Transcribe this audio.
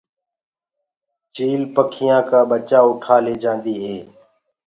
چيِل پکيآ ڪآ ٻچآ اُٺآ ليجآندي هي۔